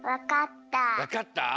わかった？